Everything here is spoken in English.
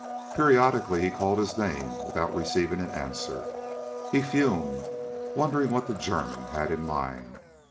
Periodically he called his name without receiving an answer. He fumed, wondering what the German had in mind.